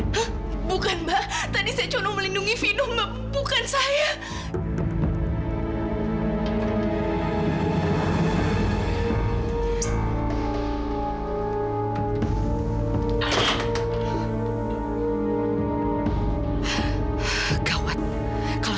sampai jumpa di video selanjutnya